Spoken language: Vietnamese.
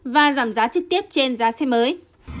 và giảm giá trực tiếp trên giá xe mới